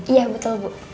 iya betul bu